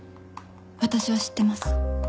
私は知ってます。